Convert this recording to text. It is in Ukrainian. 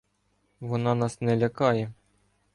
Вона нас не лякає.